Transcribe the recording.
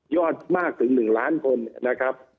อดมากถึง๑ล้านคนนะครับ